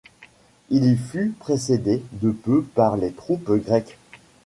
Il y fut précédé de peu par les troupes grecques.